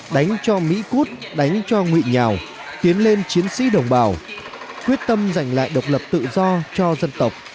đánh cho mỹ cút đánh cho nguyễn nhào tiến lên chiến sĩ đồng bào quyết tâm giành lại độc lập tự do cho dân tộc